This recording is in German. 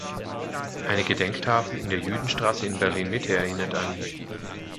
Eine Gedenktafel in der Jüdenstraße in Berlin-Mitte erinnert an ihn.